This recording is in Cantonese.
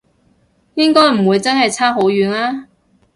應該唔會真係差好遠啊？